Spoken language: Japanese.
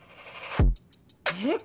えっ？